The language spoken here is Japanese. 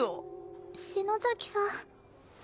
篠崎さん。